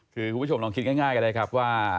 คุณผู้ชมลองคิดง่ายกันเลยครับว่า